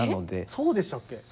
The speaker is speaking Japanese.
そうでしたっけ？